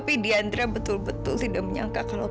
tapi diandra betul betul tidak menyangka kalau